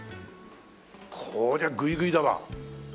こりゃグイグイだわ。